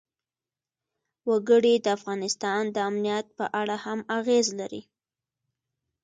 وګړي د افغانستان د امنیت په اړه هم اغېز لري.